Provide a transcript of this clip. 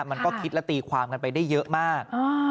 มันก็คิดและตีความกันไปได้เยอะมาก